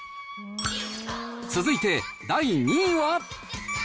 続いて、第２位は。